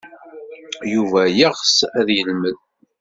Yuba yeɣs ad yelmed.